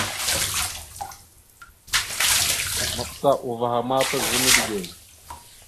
Maɓəsa uvah a ma taza midǝge.